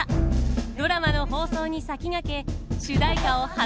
ドラマの放送に先駆け主題歌を初公開します。